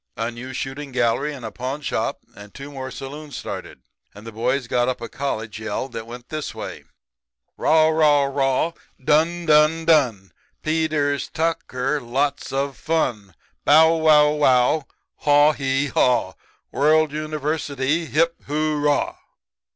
A new shooting gallery and a pawn shop and two more saloons started; and the boys got up a college yell that went this way: "'Raw, raw, raw, Done, done, done, Peters, Tucker, Lots of fun, Bow wow wow, Haw hee haw, World University, Hip, hurrah!'